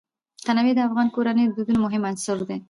تنوع د افغان کورنیو د دودونو مهم عنصر دی.